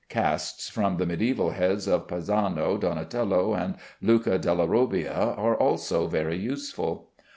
Casts from the mediæval heads of Pisano, Donatello, and Luca della Robbia are also very useful.